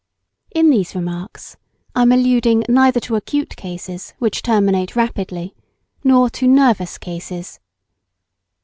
In these remarks I am alluding neither to acute cases which terminate rapidly nor to "nervous" cases.